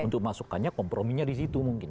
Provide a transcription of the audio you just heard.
untuk masukannya komprominya di situ mungkin